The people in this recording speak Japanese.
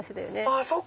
あそっか。